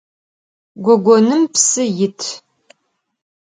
Gogonım psı yit.